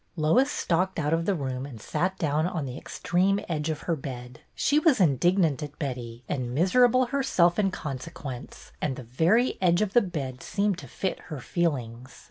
Lois stalked out of the room and sat down on the extreme edge of her bed. She was indignant at Betty and miserable herself in consequence, and the very edge of the bed seemed to fit her feelings.